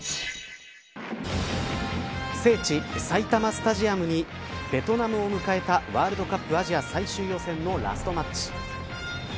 聖地、埼玉スタジアムにベトナムを迎えたワールドカップアジア最終予選のラストマッチ。